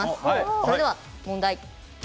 それでは問題。